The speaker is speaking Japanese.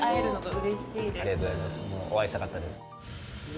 お会いしたかったです。